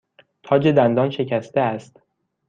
تاج دندان شکسته است.